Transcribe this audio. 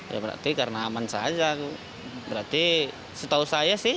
ya berarti karena aman saja berarti setahu saya sih